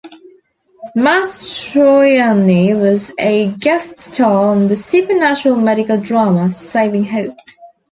Mastroianni was a guest star on the supernatural medical drama "Saving Hope".